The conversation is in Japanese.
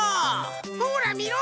ほらみろ！